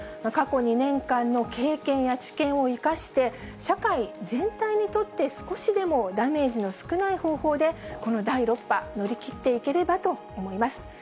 過去２年間の経験や知見を生かして、社会全体にとって少しでもダメージの少ない方法で、この第６波、乗り切っていければと思います。